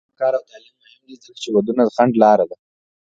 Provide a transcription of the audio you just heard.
د میرمنو کار او تعلیم مهم دی ځکه چې ودونو ځنډ لاره ده.